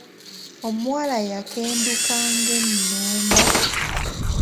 Omuwala yakenduka nga Ennumba.